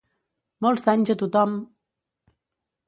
Molts d’anys a tothom!